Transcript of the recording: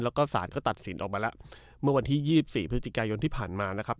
แล้วก็สารก็ตัดสินออกมาแล้วเมื่อวันที่๒๔พฤศจิกายนที่ผ่านมานะครับ